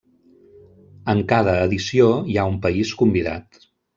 En cada edició hi ha un país convidat.